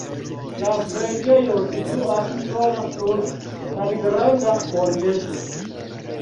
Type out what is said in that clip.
La preĝejo situas sola sur malgranda monteto.